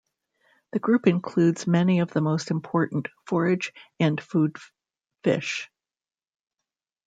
The group includes many of the most important forage and food fish.